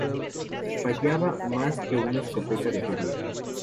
Fallaba más que una escopeta de feria